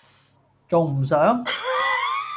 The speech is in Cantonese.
重唔上?